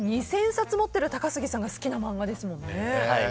２０００冊持っている高杉さんが好きな漫画ですもんね。